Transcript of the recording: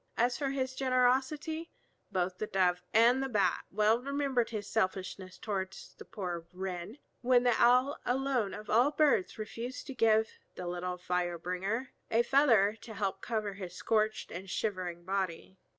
As for his generosity, both the Dove and the Bat well remembered his selfishness towards the poor Wren, when the Owl alone of all the birds refused to give the little fire bringer a feather to help cover his scorched and shivering body.